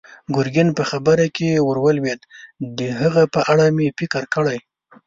ګرګين په خبره کې ور ولوېد: د هغه په اړه مې فکر کړی.